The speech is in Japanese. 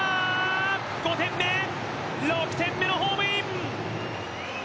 ５点目、６点目のホームイン！